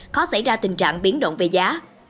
khó xảy ra tình trạng biến động về giá